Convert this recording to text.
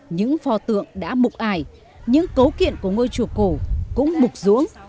những phò tượng đã mục ải những cấu kiện của ngôi chùa cổ cũng mục ruống